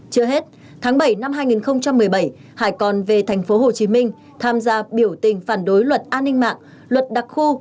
chưa hết tháng bảy năm hai nghìn một mươi bảy hải còn về thành phố hồ chí minh tham gia biểu tình phản đối luật an ninh mạng luật đặc khu